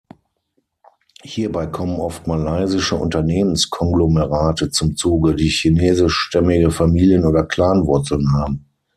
Hierbei kommen oft malaysische Unternehmens-Konglomerate zum Zuge, die chinesischstämmige Familien- oder Clan-Wurzeln haben.